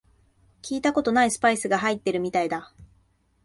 聞いたことないスパイスが入ってるみたいだ